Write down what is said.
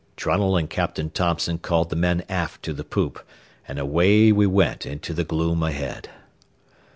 Trunnell and Captain Thompson called the men aft to the poop, and away we went into the gloom ahead.